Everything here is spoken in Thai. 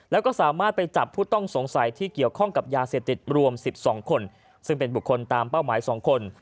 แล้วก็สามารถไปจับผู้ต้องสงสัยที่เกี่ยวข้องกับยาเสพติดรวม๑๒คนซึ่งเป็นบุคคลตามเป้าหมาย๒คน